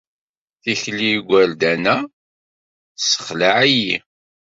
Tikli n yigerdan-a tessexlaɛ-iyi.